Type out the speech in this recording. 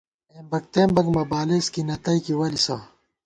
اېمبَک تېمبَک مہ بالېس کی نتَئیکی وَلِسہ